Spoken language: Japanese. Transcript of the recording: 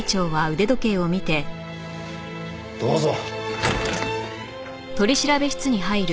どうぞ。